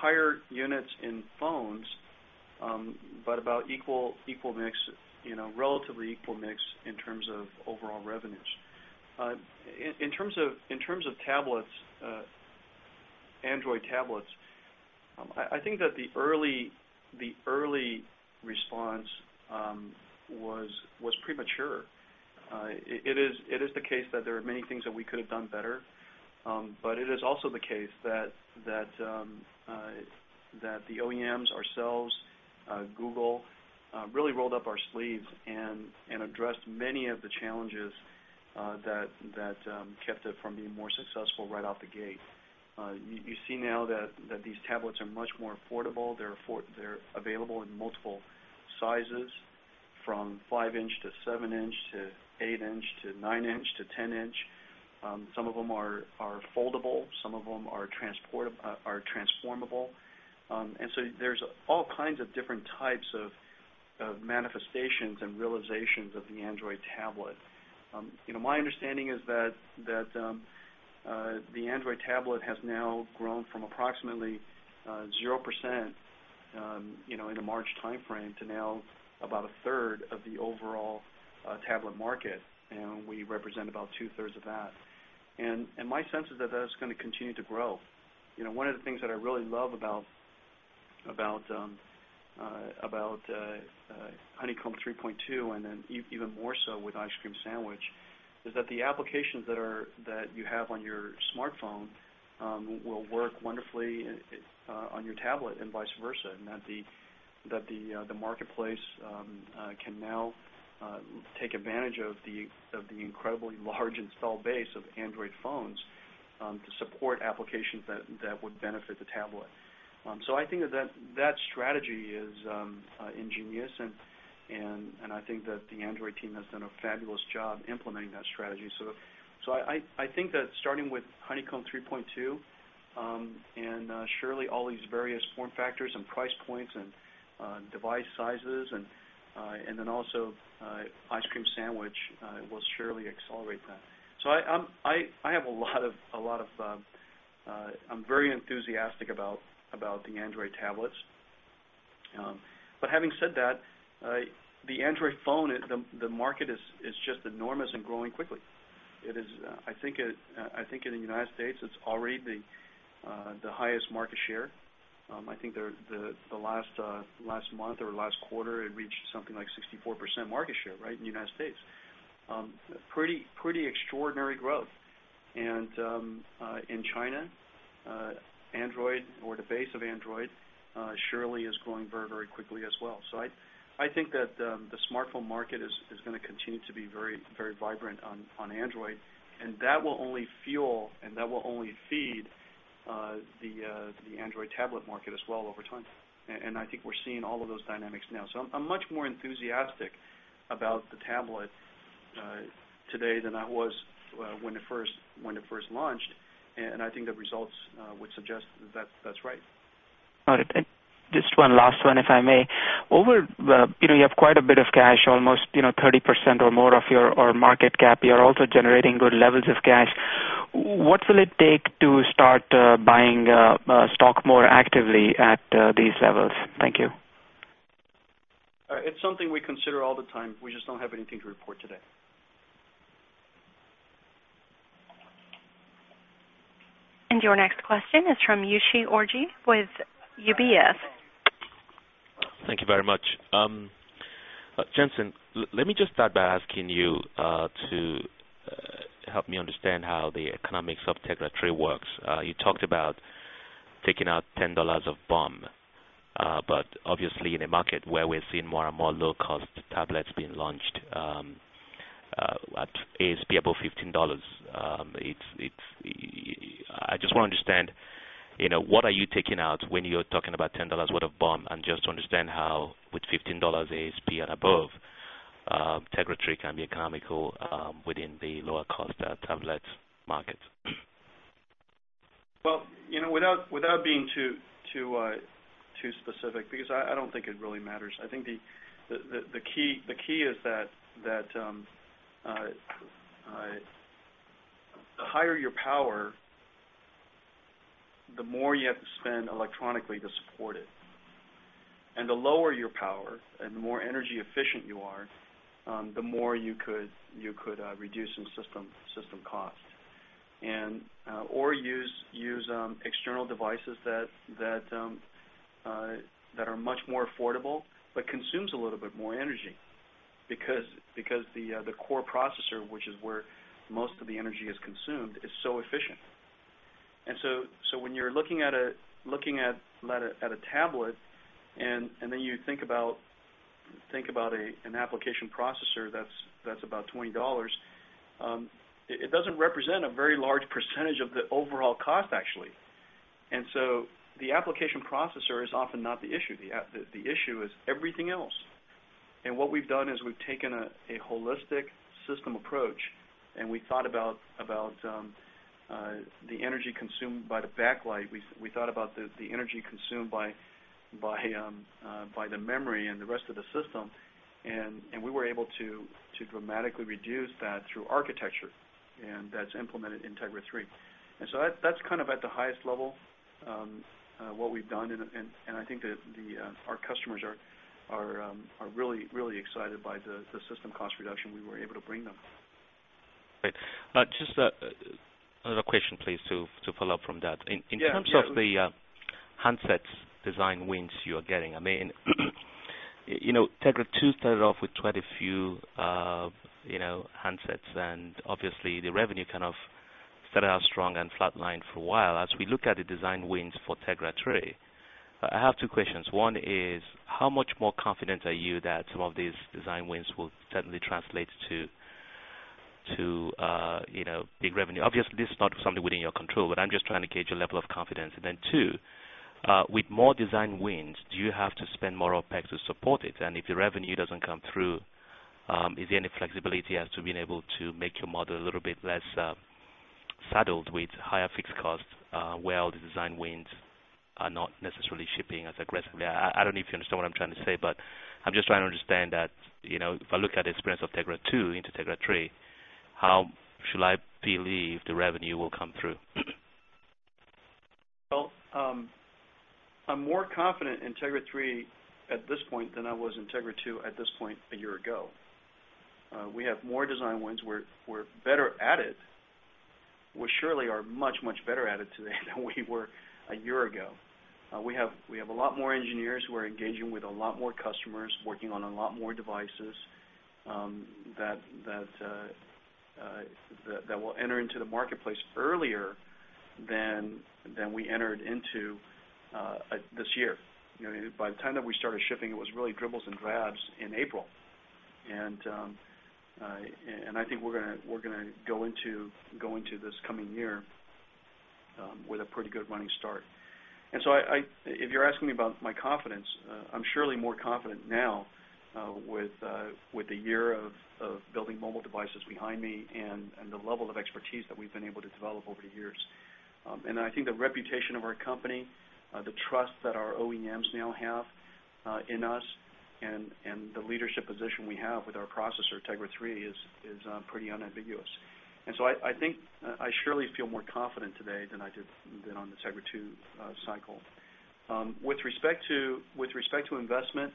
[SPEAKER 5] higher units in phones, but about relatively equal mix in terms of overall revenues. In terms of tablets, Android tablets, I think that the early response was premature. It is the case that there are many things that we could have done better, but it is also the case that the OEMs, ourselves, Google, really rolled up our sleeves and addressed many of the challenges that kept it from being more successful right out the gate. You see now that these tablets are much more affordable. They're available in multiple sizes, from 5-inch to 7-inch to 8-inch to 9-inch to 10-inch. Some of them are foldable. Some of them are transformable. There are all kinds of different types of manifestations and realizations of the Android tablet. My understanding is that the Android tablet has now grown from approximately 0% in a March timeframe to now about 1/3 of the overall tablet market, and we represent about 2/3 of that. My sense is that that's going to continue to grow. One of the things that I really love about Honeycomb 3.2, and then even more so with Ice Cream Sandwich, is that the applications that you have on your smartphone will work wonderfully on your tablet and vice versa, and that the marketplace can now take advantage of the incredibly large install base of Android phones to support applications that would benefit the tablet. I think that that strategy is ingenious, and I think that the Android team has done a fabulous job implementing that strategy. I think that starting with Honeycomb 3.2 and surely all these various form factors and price points and device sizes, and then also Ice Cream Sandwich will surely accelerate that. I have a lot of, I'm very enthusiastic about the Android tablets. Having said that, the Android phone, the market is just enormous and growing quickly. I think in the U.S., it's already the highest market share. I think the last month or last quarter, it reached something like 64% market share, right, in the U.S. Pretty extraordinary growth. In China, Android or the base of Android surely is growing very, very quickly as well. I think that the smartphone market is going to continue to be very, very vibrant on Android, and that will only fuel and that will only feed the Android tablet market as well over time. I think we're seeing all of those dynamics now. I'm much more enthusiastic about the tablet today than I was when it first launched, and I think the results would suggest that that's right.
[SPEAKER 11] Got it. Just one last one, if I may. You have quite a bit of cash, almost 30% or more of your market cap. You're also generating good levels of cash. What will it take to start buying stock more actively at these levels? Thank you.
[SPEAKER 5] It's something we consider all the time. We just don't have anything to report today.
[SPEAKER 1] Your next question is from Uche Orji with UBS.
[SPEAKER 12] Thank you very much. Jensen, let me just start by asking you to help me understand how the economics of Tegra 3 works. You talked about taking out $10 of BOM, but obviously in a market where we're seeing more and more low-cost tablets being launched at ASP above $15, I just want to understand what are you taking out when you're talking about $10 worth of BOM, and just to understand how with $15 ASP and above, Tegra 3 can be economical within the lower-cost tablet market.
[SPEAKER 5] I think the key is that the higher your power, the more you have to spend electronically to support it. The lower your power and the more energy efficient you are, the more you could reduce in system cost or use external devices that are much more affordable but consume a little bit more energy because the core processor, which is where most of the energy is consumed, is so efficient. When you're looking at a tablet and then you think about an application processor that's about $20, it doesn't represent a very large percentage of the overall cost, actually. The application processor is often not the issue. The issue is everything else. What we've done is we've taken a holistic system approach, and we thought about the energy consumed by the backlight. We thought about the energy consumed by the memory and the rest of the system, and we were able to dramatically reduce that through architecture, and that's implemented in Tegra 3. That's kind of at the highest level what we've done, and I think that our customers are really, really excited by the system cost reduction we were able to bring them.
[SPEAKER 12] Great. Just another question, please, to follow up from that. In terms of the handsets design wins you are getting, I mean, Tegra 2 started off with quite a few handsets, and obviously the revenue kind of started out strong and flatlined for a while. As we look at the design wins for Tegra 3, I have two questions. One is, how much more confident are you that some of these design wins will certainly translate to big revenue? Obviously, this is not something within your control, but I'm just trying to gauge your level of confidence. Two, with more design wins, do you have to spend more OpEx to support it? If your revenue doesn't come through, is there any flexibility as to being able to make your model a little bit less saddled with higher fixed costs where all the design wins are not necessarily shipping as aggressively? I don't know if you understand what I'm trying to say, but I'm just trying to understand that if I look at the experience of Tegra 2 into Tegra 3, how should I believe the revenue will come through?
[SPEAKER 5] I'm more confident in Tegra 3 at this point than I was in Tegra 2 at this point a year ago. We have more design wins. We're better at it. We surely are much, much better at it today than we were a year ago. We have a lot more engineers who are engaging with a lot more customers, working on a lot more devices that will enter into the marketplace earlier than we entered into this year. By the time that we started shipping, it was really dribbles and drabs in April. I think we're going to go into this coming year with a pretty good running start. If you're asking me about my confidence, I'm surely more confident now with the year of building mobile devices behind me and the level of expertise that we've been able to develop over the years. I think the reputation of our company, the trust that our OEMs now have in us, and the leadership position we have with our processor, Tegra 3, is pretty unambiguous. I think I surely feel more confident today than I did on the Tegra 2 cycle. With respect to investment,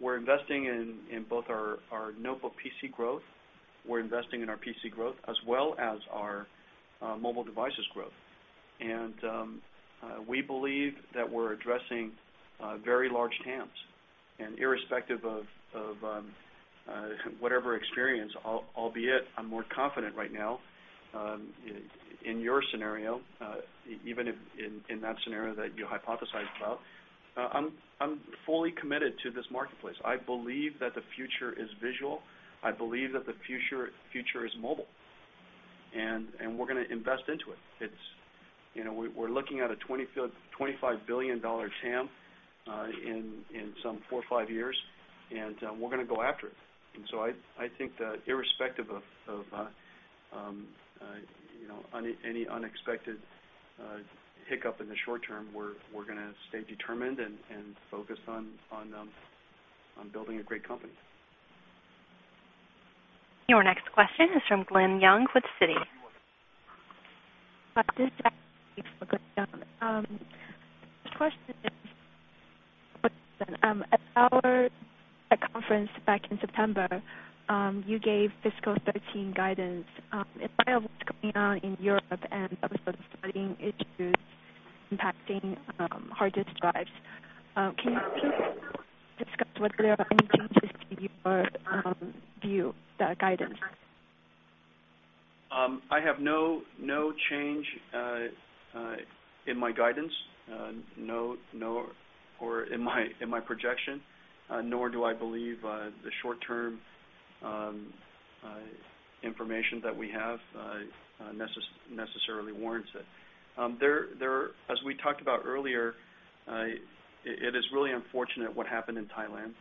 [SPEAKER 5] we're investing in both our notebook PC growth. We're investing in our PC growth as well as our mobile devices growth. We believe that we're addressing very large TAMs. Irrespective of whatever experience, albeit I'm more confident right now in your scenario, even in that scenario that you hypothesized about, I'm fully committed to this marketplace. I believe that the future is visual. I believe that the future is mobile, and we're going to invest into it. We're looking at a $25 billion TAM in some four or five years, and we're going to go after it. I think that irrespective of any unexpected hiccup in the short-term, we're going to stay determined and focus on building a great company.
[SPEAKER 1] Your next question is from Glen Yeung with Citi.
[SPEAKER 13] First question is, at our conference back in September, you gave fiscal 2013 guidance. In light of what's going on in Europe and some sort of studying issues impacting hard disk drives, can you discuss whether there are any changes to your view, that guidance?
[SPEAKER 5] I have no change in my guidance, no, or in my projection, nor do I believe the short-term information that we have necessarily warrants it. As we talked about earlier, it is really unfortunate what happened in Thailand.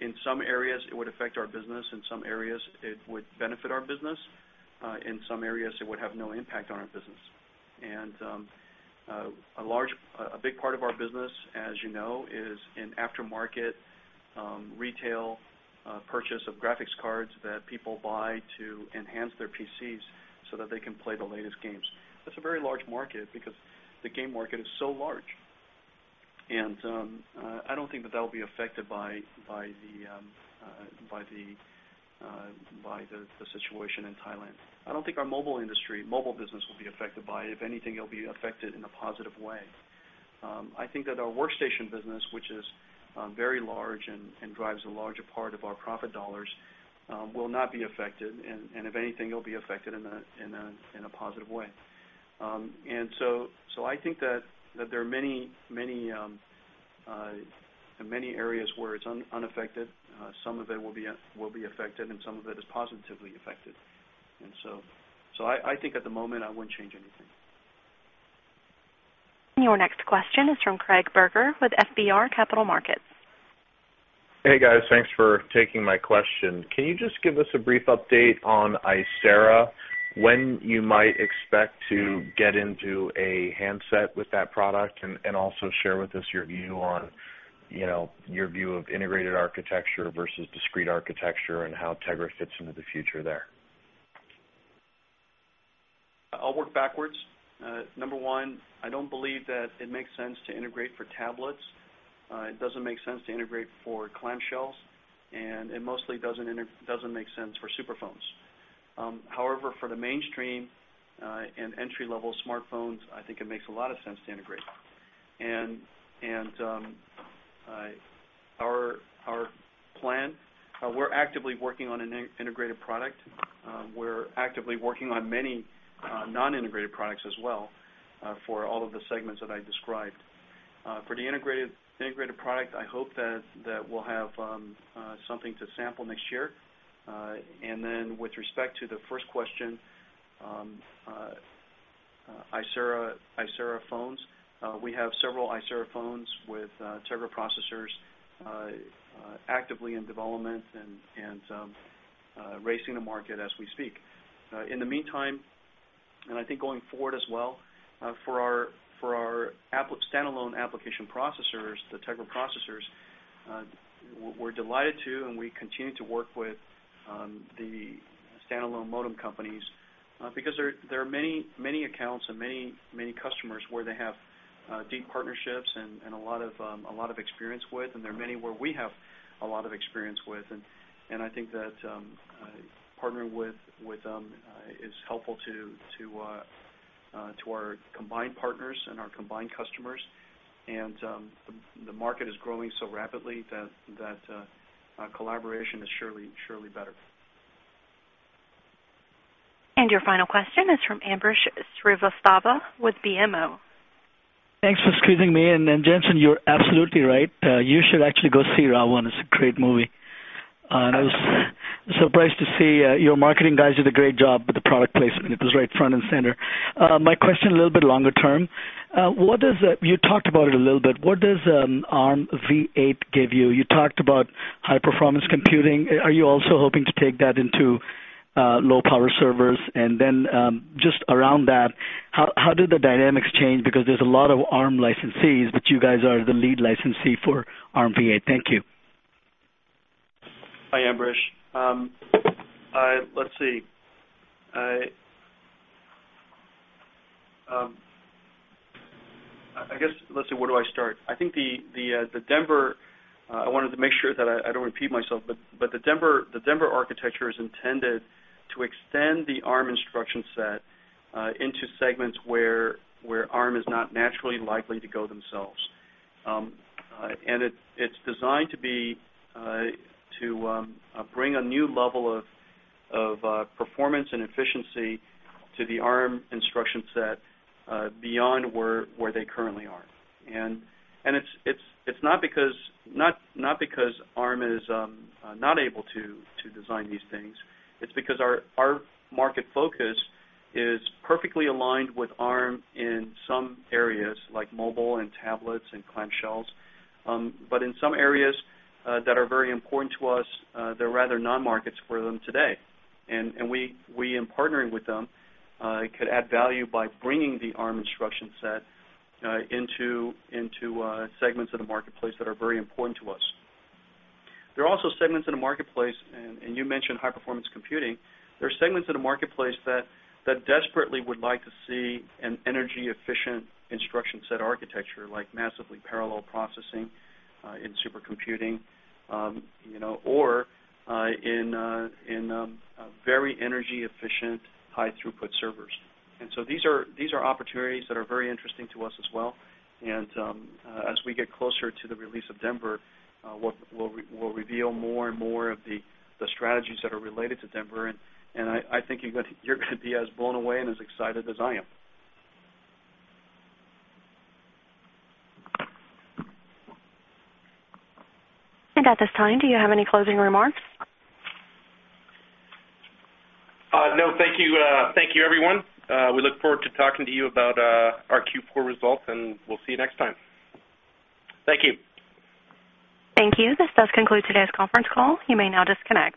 [SPEAKER 5] In some areas, it would affect our business. In some areas, it would benefit our business. In some areas, it would have no impact on our business. A big part of our business, as you know, is in aftermarket retail purchase of graphics cards that people buy to enhance their PCs so that they can play the latest games. That's a very large market because the game market is so large. I don't think that that will be affected by the situation in Thailand. I don't think our mobile industry, mobile business will be affected by it. If anything, it'll be affected in a positive way. I think that our workstation business, which is very large and drives a larger part of our profit dollars, will not be affected. If anything, it'll be affected in a positive way. I think that there are many areas where it's unaffected. Some of it will be affected, and some of it is positively affected. I think at the moment, I wouldn't change anything.
[SPEAKER 1] Your next question is from Craig Berger with FBR Capital Markets.
[SPEAKER 14] Hey guys, thanks for taking my question. Can you just give us a brief update on Icera, when you might expect to get into a handset with that product, and also share with us your view on your view of integrated architecture versus discrete architecture and how Tegra fits into the future there?
[SPEAKER 5] I'll work backwards. Number one, I don't believe that it makes sense to integrate for tablets. It doesn't make sense to integrate for clamshells, and it mostly doesn't make sense for superphones. However, for the mainstream and entry-level smartphones, I think it makes a lot of sense to integrate. Our plan, we're actively working on an integrated product. We're actively working on many non-integrated products as well for all of the segments that I described. For the integrated product, I hope that we'll have something to sample next year. With respect to the first question, Icera phones, we have several Icera phones with Tegra processors actively in development and racing the market as we speak. In the meantime, and I think going forward as well, for our standalone application processors, the Tegra processors, we're delighted to and we continue to work with the standalone modem companies because there are many accounts and many customers where they have deep partnerships and a lot of experience with, and there are many where we have a lot of experience with. I think that partnering with them is helpful to our combined partners and our combined customers. The market is growing so rapidly that collaboration is surely better.
[SPEAKER 1] Your final question is from Ambrish Srivastava with BMO.
[SPEAKER 15] Thanks for squeezing me. Jensen, you're absolutely right. You should actually go see RAW 1. It's a great movie. I was surprised to see your marketing guys did a great job with the product placement. It was right front and center. My question a little bit longer term, you talked about it a little bit. What does Armv8 give you? You talked about high-performance computing. Are you also hoping to take that into low-power servers? Just around that, how do the dynamics change? There's a lot of Arm licensees, but you guys are the lead licensee for Armv8. Thank you.
[SPEAKER 5] Hi, Ambrish. Let's see, where do I start? I think the Denver, I wanted to make sure that I don't repeat myself, but the Denver architecture is intended to extend the Arm instruction set into segments where Arm is not naturally likely to go themselves. It's designed to bring a new level of performance and efficiency to the Arm instruction set beyond where they currently are. It's not because Arm is not able to design these things. It's because our market focus is perfectly aligned with Arm in some areas, like mobile and tablets and clamshells. In some areas that are very important to us, they're rather non-markets for them today. We, in partnering with them, could add value by bringing the Arm instruction set into segments of the marketplace that are very important to us. There are also segments in the marketplace, and you mentioned high-performance computing. There are segments of the marketplace that desperately would like to see an energy-efficient instruction set architecture, like massively parallel processing in supercomputing or in very energy-efficient high-throughput servers. These are opportunities that are very interesting to us as well. As we get closer to the release of Denver, we'll reveal more and more of the strategies that are related to Denver. I think you're going to be as blown away and as excited as I am.
[SPEAKER 1] Do you have any closing remarks?
[SPEAKER 5] No, thank you. Thank you, everyone. We look forward to talking to you about our Q4 results, and we'll see you next time. Thank you.
[SPEAKER 1] Thank you. This does conclude today's conference call. You may now disconnect.